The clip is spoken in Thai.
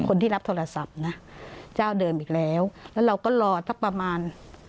คนที่รับโทรศัพท์นะเจ้าเดิมอีกแล้วแล้วเราก็รอสักประมาณ